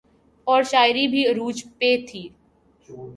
اورشاعری بھی عروج پہ تھی۔